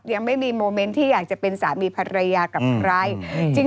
ยังไม่มีโมเมนต์ที่อยากจะเป็นสามีภรรยากับใคร